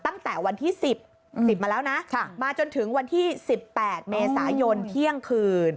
ตั้งแต่วันที่๑๐๑๐มาแล้วนะมาจนถึงวันที่๑๘เมษายนเที่ยงคืน